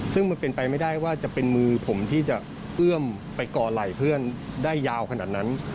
ซึ่งมันเป็นไปไม่ได้ว่าจะเป็นมือผมที่จะเอื้อมไปก่อไหล่เพื่อนได้ยาวขนาดนั้น